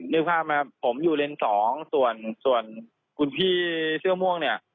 นึกภาพผมอยู่เลนส์สองส่วนคุณพี่เสื้อม่วง